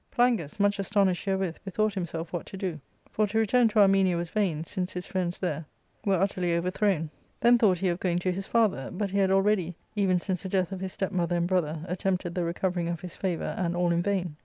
Plangus, much astonished herewith, bethought himself what to do; for to return to Armenia was vain, since his friends* there were utterly over R y^' 242 ARCADIA.— Book IL thrown. Then thought he of going to his father, bi^ he had already, even since the death of his stepmother andi brother, attempted the recovering of his favour, and all in vain.